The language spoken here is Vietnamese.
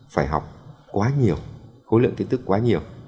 phải học quá nhiều khối lượng kiến thức quá nhiều